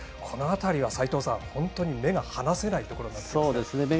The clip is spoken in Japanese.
この辺りは齋藤さん、本当に目が離せないですね。